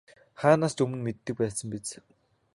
Хаанаас өмнө мэддэг л байсан биз.